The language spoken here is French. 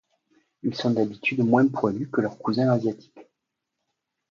Ils sont d'habitude moins poilus que leurs cousins asiatiques.